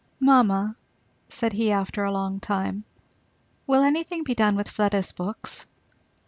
"Mamma," said he after a long time, "will anything be done with Fleda's books?"